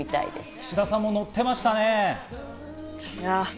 岸田さんものってましたね。